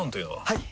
はい！